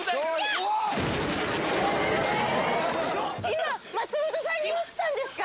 今松本さんに落ちたんですか？